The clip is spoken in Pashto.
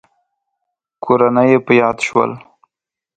کورنۍ يې په ياد شول.